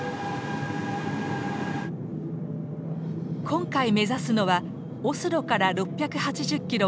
今回目指すのはオスロから６８０キロ